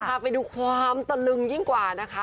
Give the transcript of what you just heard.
พาไปดูความตะลึงยิ่งกว่านะคะ